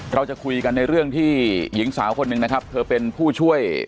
เราจะคุยกันในเรื่องที่หญิงสาวคนหนึ่งนะครับเธอเป็นผู้ช่วย